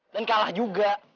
dan kalah juga